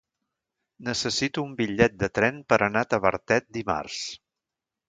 Necessito un bitllet de tren per anar a Tavertet dimarts.